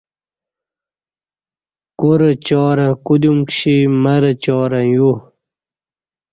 کورہ چارں کودیوم کِشی مر چارں یو